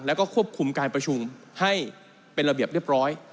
แล้วก็ควบคุมการประชุมให้เป็นระเบียบเรียบร้อย